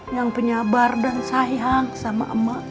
yang penyabar dan sayang sama emak